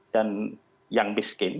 dan yang miskin